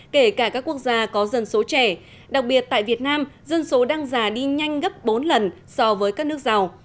kể cả các quốc gia có dân số trẻ đặc biệt tại việt nam dân số đang già đi nhanh gấp bốn lần so với các nước giàu